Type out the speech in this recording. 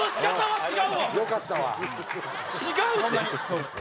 違う！